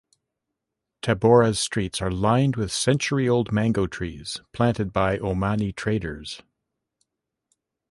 Tabora's streets are lined with century-old mango trees planted by Omani traders.